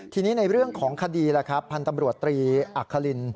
ทีนี้ในเรื่องของคดีพันธบรวจตรีอัคคลิน